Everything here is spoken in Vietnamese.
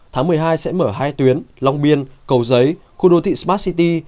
tháng một mươi hai sẽ mở hai tuyến long biên cầu giấy khu đô thị smart city